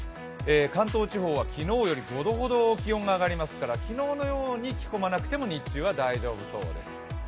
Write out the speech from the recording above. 関東地方は昨日よりも５度ほど気温が上がりますから昨日のように着込まなくても日中は大丈夫そうです。